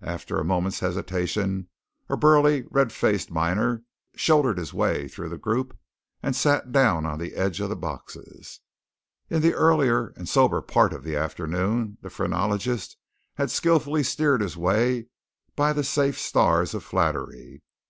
After a moment's hesitation a burly, red faced miner shouldered his way through the group and sat down on the edge of the boxes. In the earlier and soberer part of the afternoon the phrenologist had skilfully steered his way by the safe stars of flattery.